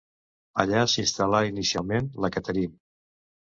Allà s’instal·là inicialment la Catherine.